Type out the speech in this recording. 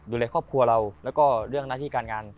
ดูแลครอบครัวเราแล้วก็เรื่องหน้าที่การงาน